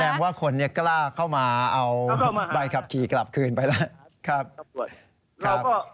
แสดงว่าคนนี้กล้าเข้ามาเอาใบขับขี่กลับคืนไปแล้ว